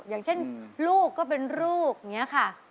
อย่างเช่นลูกก็เป็นลูกอย่างนี้ค่ะ